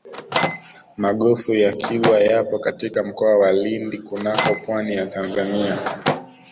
magofu ya kilwa yapo katika mkoa wa lindi kunako pwani ya tanzania